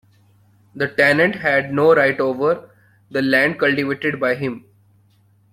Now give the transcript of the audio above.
The tenant had no right over the land cultivated by him.